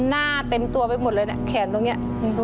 หน้าเต็มตัวไปหมดแล้วไงแขนตรงนี้